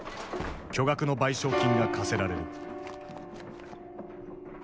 巨額の賠償金が課せられる。